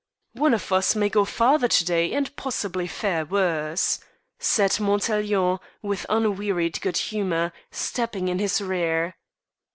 "One of us may go farther to day and possibly fare worse," said Montaiglon with unwearied good humour, stepping in his rear.